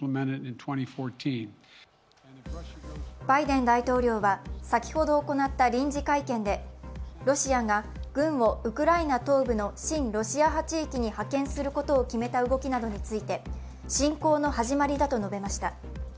バイデン大統領は先ほど行った臨時会見でロシアが軍をウクライナ東部の親ロシア派地域に派遣することを決めた動きなどについて、侵攻の始まりだと述べました。